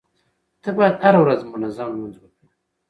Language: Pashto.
ته بايد هره ورځ منظم لمونځ وکړې.